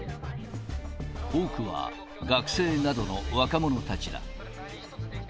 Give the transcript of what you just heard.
多くは学生などの若者たちだ。